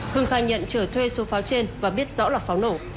hưng khai nhận trở thuê số pháo trên và biết rõ là pháo nổ